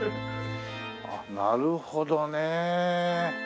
なるほどね。